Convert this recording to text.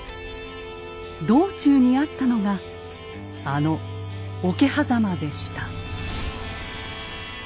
道中にあったのがあの桶狭間でした。